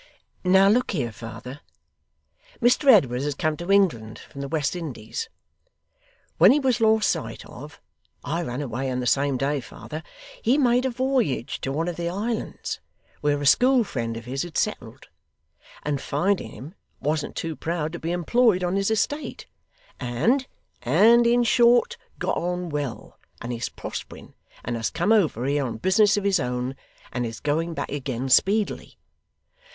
'Now look here, father. Mr Edward has come to England from the West Indies. When he was lost sight of (I ran away on the same day, father), he made a voyage to one of the islands, where a school friend of his had settled; and, finding him, wasn't too proud to be employed on his estate, and and in short, got on well, and is prospering, and has come over here on business of his own, and is going back again speedily.